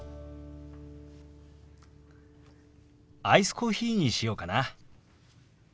アイスコーヒーにしようかな。